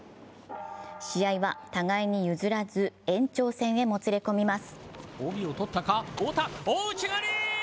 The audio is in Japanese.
試合は互いに譲らず延長戦へもつれ込みます。